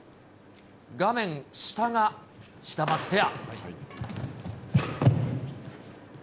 画面下がシダマツペア。